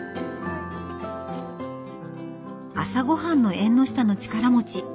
朝ごはんの「縁の下の力持ち」。